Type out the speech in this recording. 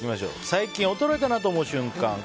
最近衰えたなぁと思う瞬間。